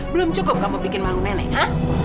belum cukup kamu bikin malu nenek ha